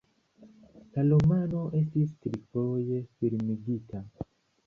La romano estis trifoje filmigita.